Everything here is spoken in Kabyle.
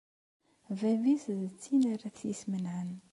Bab-is d tin ara t-yesmenɛen.